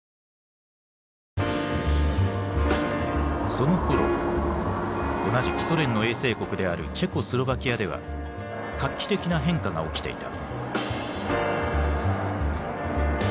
そのころ同じくソ連の衛星国であるチェコスロバキアでは画期的な変化が起きていた。